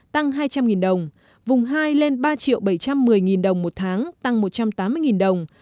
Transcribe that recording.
tăng hai trăm linh đồng vùng hai lên ba bảy trăm một mươi đồng một tháng tăng một trăm tám mươi đồng